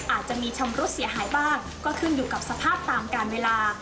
อาจจะมีชำรุดเสียหายบ้างก็ขึ้นอยู่กับสภาพตามการเวลา